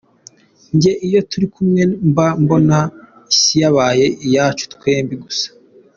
Jye iyo turi kumwe mba mbona isi yabaye iyacu twembi gusa.